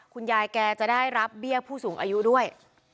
คุณยายแกจะได้รับเบี้ยผู้สูงอายุด้วย